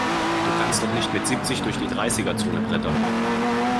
Du kannst doch nicht mit siebzig durch die Dreißiger-Zone brettern!